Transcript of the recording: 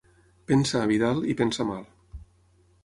Pensa, Vidal, i pensa mal.